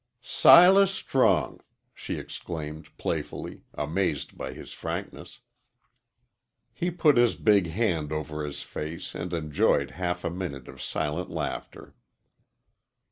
"Silas Strong!" she exclaimed, playfully, amazed by his frankness. He put his big hand over his face and enjoyed half a minute of silent laughter.